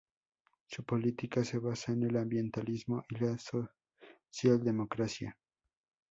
Su política se basa en el ambientalismo y la socialdemocracia.